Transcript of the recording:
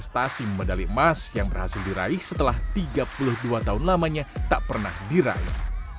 prestasi medali emas yang berhasil diraih setelah tiga puluh dua tahun lamanya tak pernah diraih